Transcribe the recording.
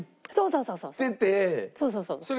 そうそうそう。